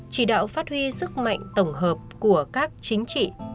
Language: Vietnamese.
chỉ đạo phát huy sức mạnh tổng hợp của các chính trị